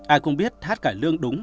ai cũng biết hát cải lương đúng